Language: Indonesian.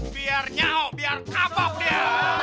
biar nyaho biar kabok dia